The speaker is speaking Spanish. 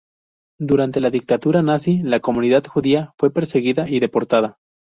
Durante la dictadura nazi la comunidad judía fue perseguida y deportada.